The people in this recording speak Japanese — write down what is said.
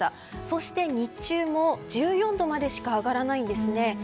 そして、日中も１４度までしか上がらないんですね。